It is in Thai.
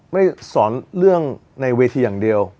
ไม่สอนเรื่องในเวทีอย่างเดียว